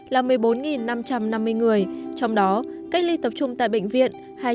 là một mươi bốn năm trăm năm mươi người trong đó cách ly tập trung tại bệnh viện hai trăm sáu mươi một người